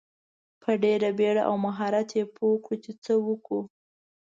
په ډیره بیړه او مهارت یې پوه کړو چې څه وکړو.